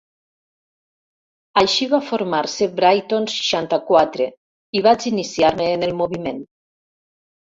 Així va formar-se Brighton seixanta-quatre i vaig iniciar-me en el moviment.